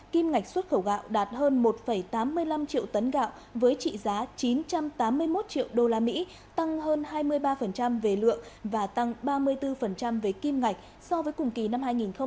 kim ngạch xuất khẩu gạo đạt hơn một tám mươi năm triệu tấn gạo với trị giá chín trăm tám mươi một triệu usd tăng hơn hai mươi ba về lượng và tăng ba mươi bốn về kim ngạch so với cùng kỳ năm hai nghìn hai mươi hai